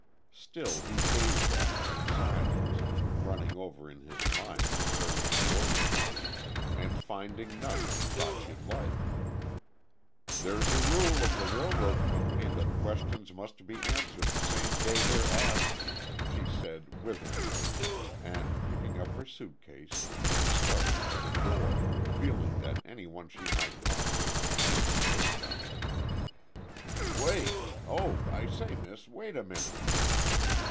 Still he gazed at her in silence, running over in his mind the various boarding houses, and finding none he thought she'd like. "There's a rule of the Railroad Company that questions must be answered the same day they're asked," she said, witheringly, and picking up her suitcase she started for the door, feeling that any one she might find would know more than this dummy. "Wait,—oh, I say, miss, wait a minute."